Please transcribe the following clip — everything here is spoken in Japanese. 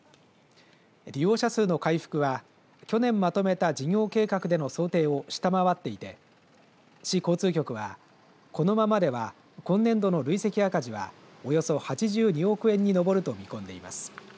利用者数の回復は去年まとめた事業計画での想定を下回っていて市交通局はこのままでは今年度の累積赤字はおよそ８２億円に上ると見込んでいます。